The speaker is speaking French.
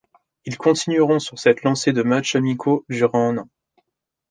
Ils continueront sur cette lancée de matchs amicaux durant un an.